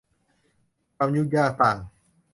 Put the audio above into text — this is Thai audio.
ความยุ่งยากต่าง